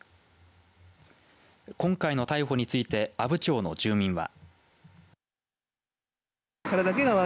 今回の逮捕について阿武町の住民は。